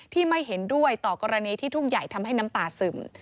ไม่เห็นด้วยต่อกรณีที่ทุ่งใหญ่ทำให้น้ำตาซึม